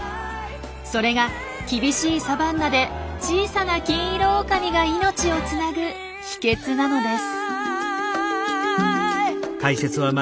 それが厳しいサバンナで小さなキンイロオオカミが命をつなぐ秘けつなのです。